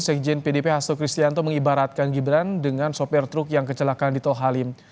sekjen pdp hasto kristianto mengibaratkan gibran dengan sopir truk yang kecelakaan di tol halim